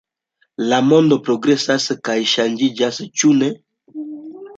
La mondo progresas kaj ŝanĝiĝas, ĉu ne?